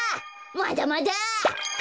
まだまだ！